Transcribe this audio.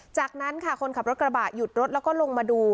จากนั้นค่ะคนขับรถกระบะหยุดรถแล้วก็ลงมาดู